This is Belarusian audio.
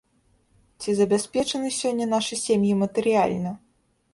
Ці забяспечаны сёння нашы сем'і матэрыяльна?